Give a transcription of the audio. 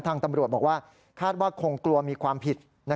ทางตำรวจบอกว่าคาดว่าคงกลัวมีความผิด